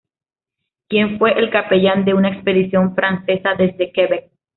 Quien fue el capellán de una expedición francesa desde Quebec.